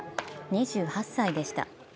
２８歳でした。